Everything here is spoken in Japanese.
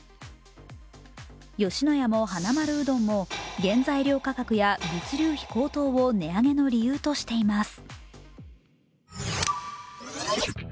吉野家もはなまるうどんも原材料価格や物流費高騰を値上げの理由としています。